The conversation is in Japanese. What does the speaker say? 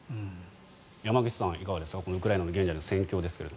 山口さん、いかがですかウクライナの現在の戦況ですが。